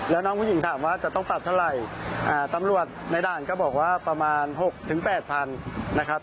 แล้วน้องผู้หญิงถามว่าจะต้องปรับเท่าไหร่ตำรวจในด่านก็บอกว่าประมาณ๖๘๐๐นะครับ